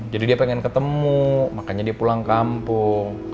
jadi dia pengen ketemu makanya dia pulang kampung